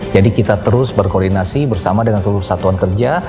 jadi kita terus berkoordinasi bersama dengan seluruh satuan kerja